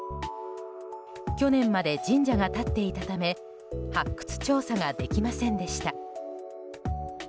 去年まで神社が立っていたため発掘調査ができませんでした。